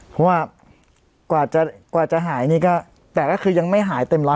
เพราะว่ากว่าจะหายนี่ก็แต่ก็คือยังไม่หายเต็มร้อย